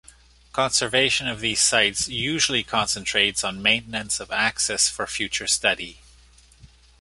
Conservation of these sites usually concentrates on maintenance of access for future study.